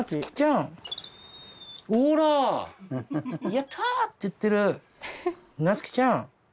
「やった！」って言ってるなつきちゃん！